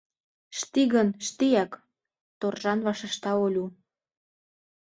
— Шти гын — штиак, — торжан вашешта Улю.